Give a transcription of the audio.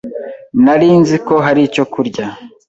Nari nzi ko hari icyo kurya.